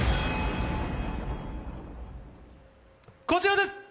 こちらです！